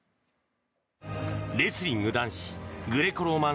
レスリング男子グレコローマン